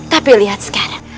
tapi lihat sekarang